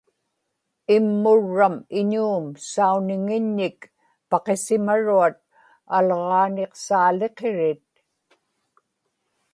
immurram iñuum sauniŋiññik paqisimaruat alġaaniqsaaliqirit